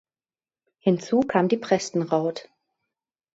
Hinzu kam die Prästenraut.